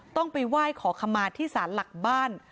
ต้องไปไหว้ขอขมาที่สารหลักบ้าน